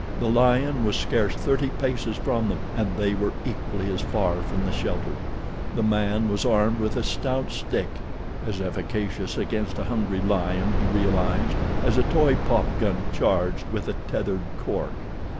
The lion was scarce thirty paces from them, and they were equally as far from the shelter. The man was armed with a stout stick—as efficacious against a hungry lion, he realized, as a toy pop gun charged with a tethered cork.